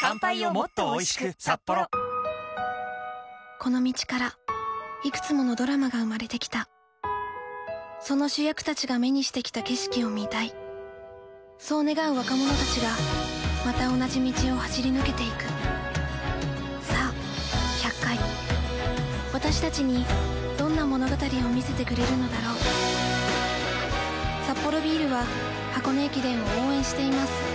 この道からいくつものドラマが生まれてきたその主役たちが目にしてきた景色をみたいそう願う若者たちがまた同じ道を走り抜けていくさぁ１００回私たちにどんな物語を見せてくれるのだろうさて